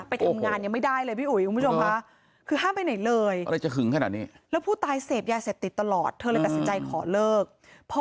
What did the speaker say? ไปทำงานยังไม่ได้เลยพี่อุ๋ยคุณผู้ชมค่ะ